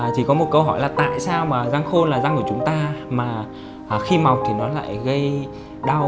chỉ có một câu hỏi là tại sao mà răng khô là răng của chúng ta mà khi mọc thì nó lại gây đau